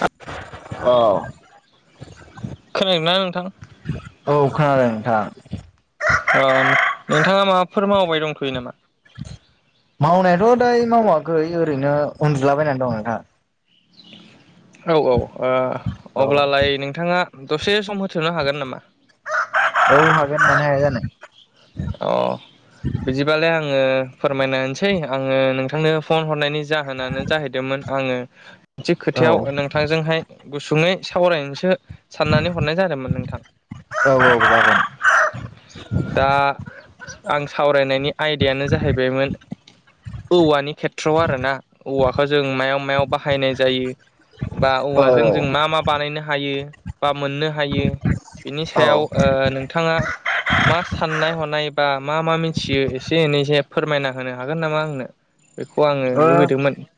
आ औ खोनादोंना नोंथां? [unintelligible] ओ नोंथाङा माबाफोर मावबाय दंथ'यो नामा? मावनायाथ' दाय मावाखै ओरैनो उनन्दुलाबायनानै दं नोंथा। औ औ ओ औ अब्लालाय नोंथाङा दसे सम हो थ'नो हागोन नामा? औ [unintelligible] हागोन मानो हाया जानो अ बिदिबालाय आङो फोरमायनायसै आङो नोंथांनो फन हरनायनि जाहोनानो जाहैदोंमोन आङो मोनसे खोथायाव औ नोंथांजोंहाय गुसुङै सावरायनोसो साननानै हरनाय जादोंमोन नोंथां। औ औ जागोन दा आं सावरायनायनि आयदायानो जाहैबायमोन औवानि खेथ्रआव आरो ना औवाखौ जों मायाव मायाव बाहायनाय जायो। बा औ औवाजों जों मा मा बानायनो हायो बा मोननो हायो। बिनि औ सायाव ओ नोंथाङा मा साननाय हनाय बा मा मा मिथियो एसे एनैसो फोरमायना होनो हागोन नामा आंनो? बेखौ आङो ओं लुगैदोंमोन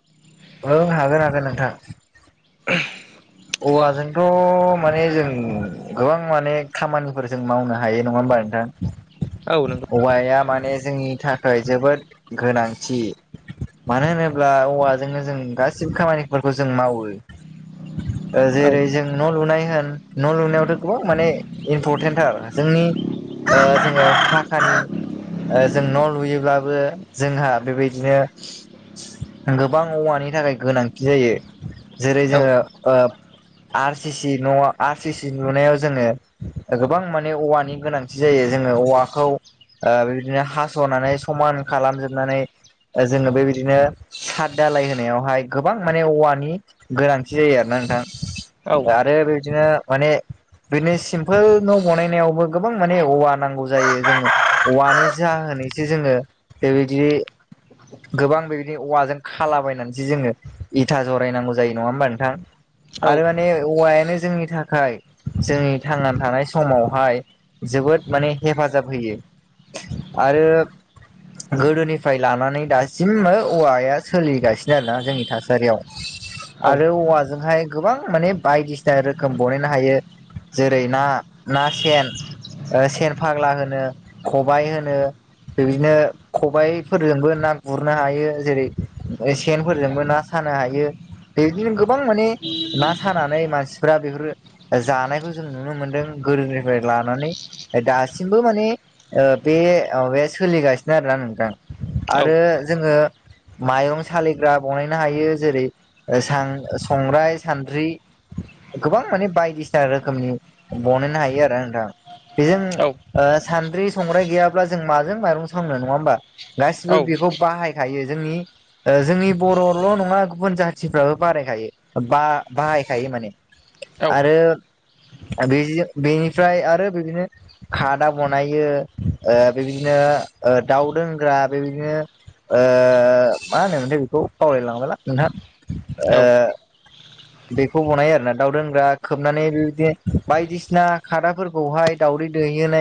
ओं हागोन हागोन नोंथां। [unintelligible] औवाजोंथ' माने जों गोबां माने खामानिफोर जों मावनो हायो नङा होमबा नोंथां। औ नोंगौ औवाया माने जोंनि था खाय जोबोद गोनांथि मानो होनोब्ला औवाजोंनो जों गासिबो खामानिफोर खौ जों मावो। [inaudible] ओ जेरै औ जों न' लुनाय होन न' लुनायावथ' गोबां माने इम्परटेन्टार जोंनि ओ जोङो फाखानि ओ जों न' लुयोब्लाबो जोंहा बेबायदिनो गोबां औवानि थाखाय गोनांथि जायो। जेरै जोङो ओ आर सि सि न' आर सि सि लुनायाव जोङो ओ गोबां माने औवानि गोनांथि जायो जो ङो औवाखौ ओ बिबादिनो हास'नानै समान खालामजोबनानै ओ जोङो बेबायदिनो साद दालाय होनायावहाय गोबां माने औवानि गोनांथि जायो आरो। ना नोंथां औ आरो बेदिनो माने बिनो सिम्पोल न' बानायनायावबो गोबां माने औवा नांगौ जायो जोङो औवानि जाहोन एसे जोङो बिबादि गोबां बे औवाजों खालाबायनानैसो जोङो इथा जरायनांगौ जायो नङा होमबा नोंथां। औ औ आरो माने औवायानो जोंनि थाखाय जोंनि थांना थानाय समावहाय जोबोद माने हेफाजाब होयो। आरो गोदोनिफ्राय लानानै दासिमबो औवाया सोलिगासिनो आरोना जोंनि थासारियाव। औ आरो औवाजोंहाय गोबां माने बायदिसिना रोखोम बानायनो हायो। जेरै ना ना सेन, ओ सेन फाग्ला होनो खबाय होनो बिदिनो खबायफोरजोंबो ना गुरनो हायो जेरै सेनफोरजोंबो ना सानो हायो बेदिनो गो बां माने ना सानानै मानसिफ्रा बेफोर जानायखौ जों नुनो मोनदों गोदोनिफ्राय लानानै दासिमबो मा ने ओ बे माबाया सोलिगासिनो आरोना नोंथां औ आरो जोङो माइरं सालिग्रा बनायनो हायो जेरै सां संग्राय सान्द्रि गोबां माने बायदिसिना रोखोमनि बनायनो हायो आरो ना नोंथां। बेजों ओ सान्द्रि संग्राय गैयाब्ला जों माजों माइरं सावनो नङा होमबा? गासिबो बेखौ बाहायखायो जोंनि ओ जोंनि बर'ल' नङा गुबुन जाथिफ्राबो बारायखायो बा बाहायखायो माने औ औ आरो बे बेनिफ्राय आरो बिदिनो खादा बनायो ओ बेबायदिनो ओ दाउ दोनग्रा बेबायदिनो ओ मा होनो मोनथाय बेखौ बावलायलांबायलां नोंथां ओ औ औ बेखौ बनायो आरोना दाउदोनग्रा खोबनानै बेबायदिनो बायदिसिना खादाफोरखौहाय दाउ दै दैहोनाय